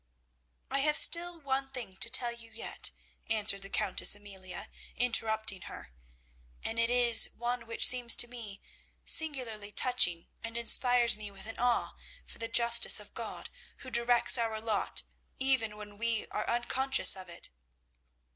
"I have still one thing to tell you yet," answered the Countess Amelia, interrupting her, "and it is one which seems to me singularly touching, and inspires me with an awe for the justice of God who directs our lot even when we are unconscious of it.